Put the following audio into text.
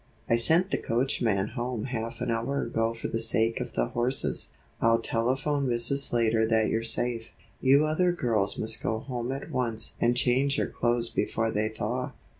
"I sent the coachman home half an hour ago for the sake of the horses. I'll telephone Mrs. Slater that you're safe. You other girls must go home at once and change your clothes before they thaw.